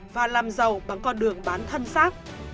và làm giàu bằng con đường bán thân xác